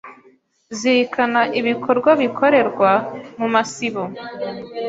zirikana ibikorwa bikorerwa mu masibo.